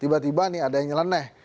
tiba tiba nih ada yang nyeleneh